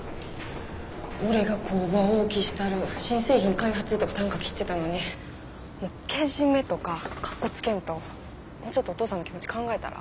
「俺が工場大きしたる新製品開発」とかたんか切ってたのにけじめとかかっこつけんともうちょっとお父さんの気持ち考えたら？